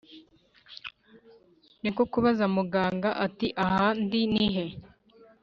niko kubaza muganga ati"ahandi nihe?"